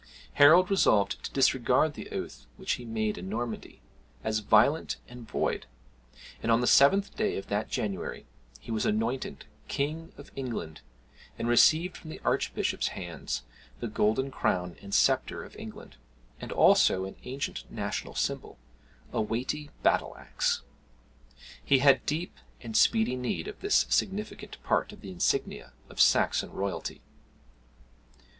Harold resolved to disregard the oath which he made in Normandy, as violent and void, and on the 7th day of that January he was anointed King of England, and received from the archbishop's hands the golden crown and sceptre of England, and also an ancient national symbol, a weighty battle axe. He had deep and speedy need of this significant part of the insignia of Saxon royalty.